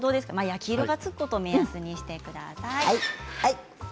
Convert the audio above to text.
焼き色がつくことを目安にしてください。